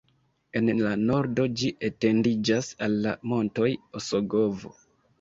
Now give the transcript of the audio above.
En la nordo ĝi etendiĝas al la montoj Osogovo.